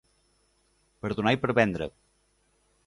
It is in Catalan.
Per donar i per vendre.